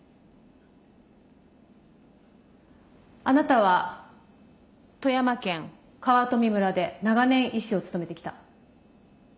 あなたは富山県川冨村で長年医師を務めてきた。